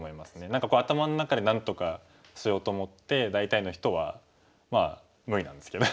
何か頭の中でなんとかしようと思って大体の人はまあ無理なんですけど。